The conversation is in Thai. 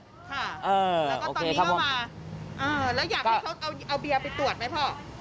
แล้วก็ตอนนี้ก็มาแล้วอยากให้เขาเอาเบียร์ไปตรวจไหมพ่อ